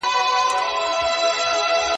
زه به سبزیحات جمع کړي وي؟!